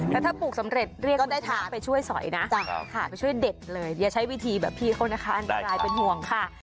แล้วถ้าปลูกสำเร็จเรียกว่าได้ทางไปช่วยสอยนะไปช่วยเด็ดเลยอย่าใช้วิธีแบบพี่เขานะคะอันตรายเป็นห่วงค่ะ